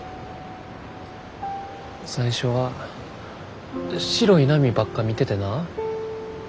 最初は白い波ばっか見ててな。